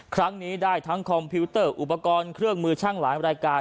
ครั้งนี้ได้ทั้งคอมพิวเตอร์อุปกรณ์เครื่องมือช่างหลายรายการ